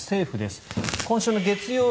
政府です。